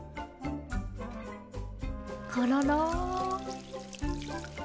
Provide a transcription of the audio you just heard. コロロ。